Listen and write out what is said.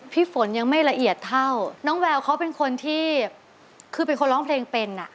พี่ฝนยังไม่ละเอียดเท่าน้องแววเขาเป็นคนที่คือเป็นคนร้องเพลงเป็นอ่ะ